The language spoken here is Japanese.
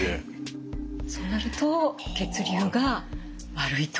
そうなると血流が悪いと。